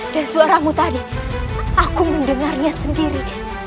dari suaramu tadi aku mendengarnya sendiri